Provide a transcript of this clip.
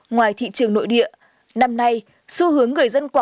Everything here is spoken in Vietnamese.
ngoài thị trường nội địa năm nay xu hướng người dân quảng